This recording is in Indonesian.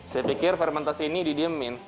saya pikir fermentasi ini didiemin